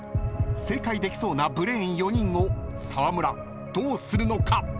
［正解できそうなブレーン４人を沢村どうするのか？］